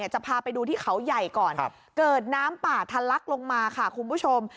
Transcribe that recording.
จะพาไปดูที่เขาใหญ่ก่อนเกิดน้ำป่าทะลักลงมาค่ะคุณผู้ชม